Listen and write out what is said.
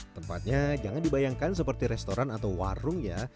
tempatnya jangan dibayangkan seperti restoran atau warung ya